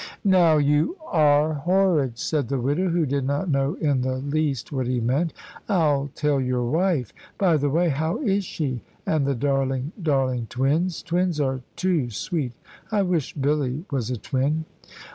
"Now you are horrid," said the widow, who did not know in the least what he meant. "I'll tell your wife. By the way, how is she, and the darling, darling twins? Twins are too sweet. I wish Billy was a twin."